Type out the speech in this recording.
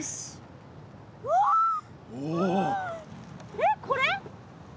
えっこれ？